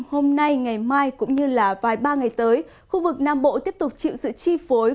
hôm nay ngày mai cũng như là vài ba ngày tới khu vực nam bộ tiếp tục chịu sự chi phối